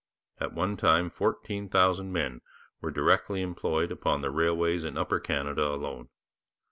At one time 14,000 men were directly employed upon the railways in Upper Canada alone.